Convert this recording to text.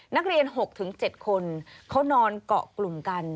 นักเรียน๖๗คนเขานอนเกาะกลุ่มกัน